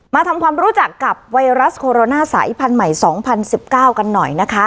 มาทำความรู้จักกับเวรัสครูโรน่าสายภัณฑ์ใหม่สองพันสิบเก้ากันหน่อยนะคะ